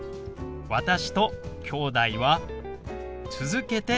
「私」と「きょうだい」は続けて表現します。